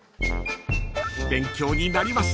［勉強になりました］